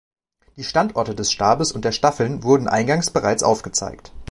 Die Standorte des Stabes und der Staffeln wurden eingangs bereits aufgezeigt.